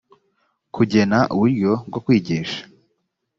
kugena uburyo bwo kwigisha